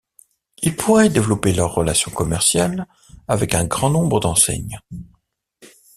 Il pourrait développer leur relation commerciale avec un grand nombre d’enseignes.